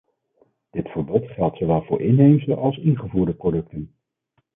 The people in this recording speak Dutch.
Dit verbod geldt zowel voor inheemse als ingevoerde producten.